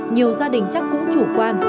nhiều gia đình chắc cũng chủ quan